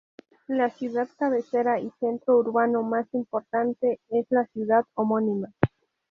La ciudad cabecera y centro urbano más importante es la ciudad homónima.